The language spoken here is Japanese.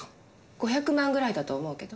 ５００万ぐらいだと思うけど。